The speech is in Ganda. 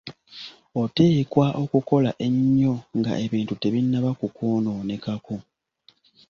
Oteekwa okukola ennyo nga ebintu tebinnaba kukwonoonekako.